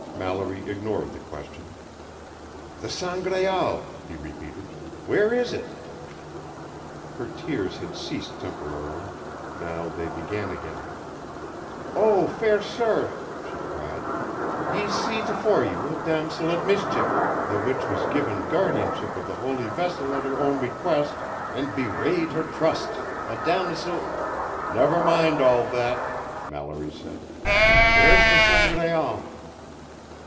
Mallory ignored the question. "The Sangraal," he repeated. "Where is it?" Her tears had ceased temporarily; now they began again. "Oh, fair sir!" she cried, "ye see tofore you, a damosel at mischief, the which was given guardianship of the Holy Vessel at her own request, and bewrayed her trust, a damosel " "Never mind all that," Mallory said. "Where's the Sangraal?"